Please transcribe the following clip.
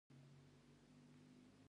امرا هم په دغه کلا کې بندیان کېدل.